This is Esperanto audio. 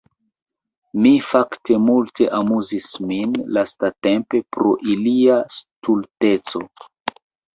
Mi fakte multe amuzis min lastatempe pro ilia stulteco.